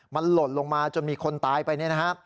มันหล่นลงมาจนมีคนตายไปเนี่ยนะฮะ